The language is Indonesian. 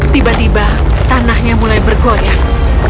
tiba tiba tanahnya mulai bergoyang